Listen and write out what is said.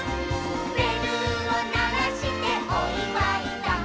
「べるをならしておいわいだ」